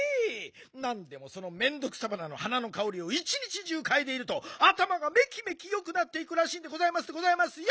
なんでもそのメンドクサバナの花のかおりをいちにちじゅうかいでいるとあたまがめきめきよくなっていくらしいんでございますでございますよ！